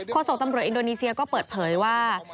โศกตำรวจอินโดนีเซียก็เปิดเผยว่า